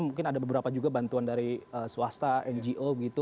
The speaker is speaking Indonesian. mungkin ada beberapa juga bantuan dari swasta ngo gitu